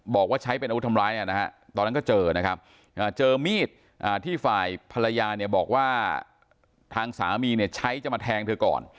บอกว่าใช้เป็นอาวุธทำร้ายนะฮะตอนนั้นก็เจอนะครับเจอมีดที่ฝ่ายภรรยาเนี่ยบอกว่าทางสามีเนี่ยใช้จะมาแทงเธอก่อน